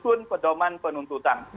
menyusun pedoman penuntutan